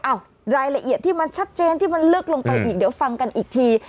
รายละเอียดที่มันชัดเจนที่มันลึกลงไปอีกเดี๋ยวฟังกันอีกที